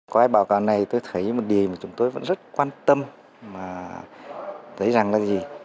qua báo cáo này tôi thấy một điều mà chúng tôi vẫn rất quan tâm là gì